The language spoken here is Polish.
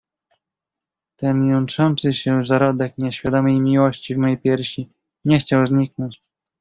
"Ten jątrzący się zarodek nieświadomej miłości w mej piersi nie chciał zniknąć."